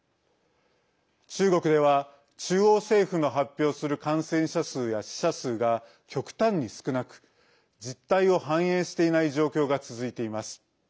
中国では、中央政府の発表する感染者数や死者数が極端に少なく実態を反映していない状況が続いています。